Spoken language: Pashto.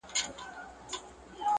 لاړې مرور شوې لۀ ما، ډېره ښه